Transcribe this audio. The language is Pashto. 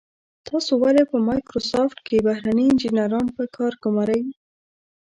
تاسو ولې په مایکروسافټ کې بهرني انجنیران په کار ګمارئ.